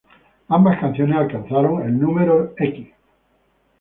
Ambas canciones alcanzaron el No.